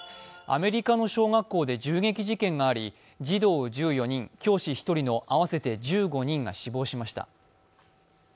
アメリカの小学校で銃撃事件があり児童１４人、教師１人の合わせて１５人が死亡しました。